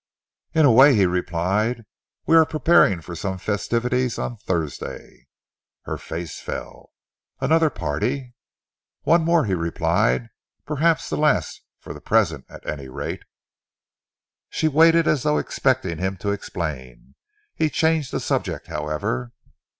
"In a way," he replied. "We are preparing for some festivities on Thursday." Her face fell. "Another party?" "One more," he replied. "Perhaps the last for the present, at any rate." She waited as though expecting him to explain. He changed the subject, however.